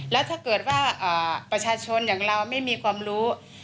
แล้วถ้าเกิดว่าประชาชนอย่างเราไม่มีความรู้